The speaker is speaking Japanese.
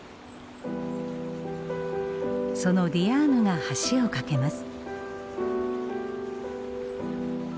そのディアーヌが橋を架けます。